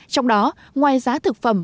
trong đó ngoài giá thực phẩm